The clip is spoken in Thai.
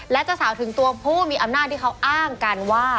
และจะสาวถึงตัวผู้มีอำนาจที่เขาอ้างกันว่า